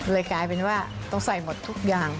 กลายเป็นว่าต้องใส่หมดทุกอย่าง